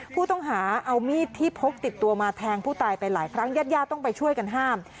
ผู้ต้องหาเอามีดที่พกติดตัวมาแทงผู้ตายไปหลายครั้งญาติญาติต้องไปช่วยกันห้าม